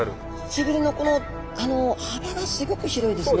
背びれのこのあの幅がすギョく広いですね。